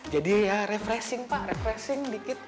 jadi ya refreshing pak refreshing dikit